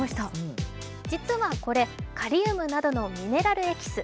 実はこれ、カリウムなどのミネラルエキス。